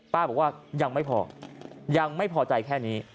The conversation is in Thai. บอกว่ายังไม่พอยังไม่พอใจแค่นี้